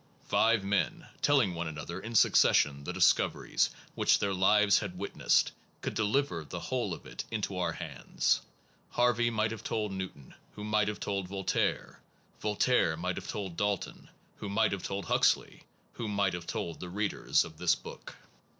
Five men telling one another in succession the discover ies which their lives had witnessed, could de liver the whole of it into our hands: Harvey might have told Newton, who might have told Voltaire; Voltaire might have told Dalton, who might have told Huxley, who might have told the readers of this book.